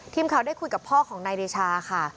ทีมข่าวได้คุยกับพ่อของนายเดชาค่ะ